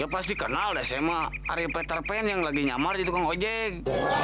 ya pasti kenal deh saya mah ariel peter pan yang lagi nyamar di tukang ojek